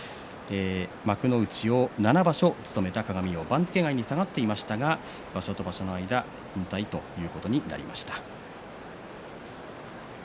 幕内を７場所務めた鏡桜番付外に下がっていましたが場所と場所の間で引退ということになりました。